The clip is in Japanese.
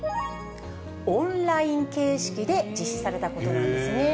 オンライン形式で実施されたことなんですね。